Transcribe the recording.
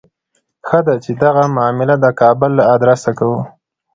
ښه ده چې دغه معامله د کابل له آدرسه کوو.